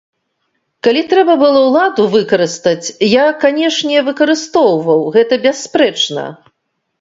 Калі трэба было ўладу выкарыстаць, я, канечне, выкарыстоўваў, гэта бясспрэчна.